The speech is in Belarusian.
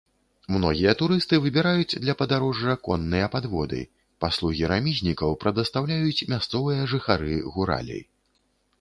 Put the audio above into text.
Многія турысты выбіраюць для падарожжа конныя падводы, паслугі рамізнікаў прадастаўляюць мясцовыя жыхары гуралі.